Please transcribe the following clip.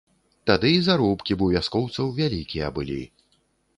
Тады і заробкі б у вяскоўцаў вялікія былі.